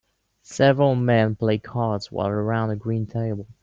Several men play cards while around a green table.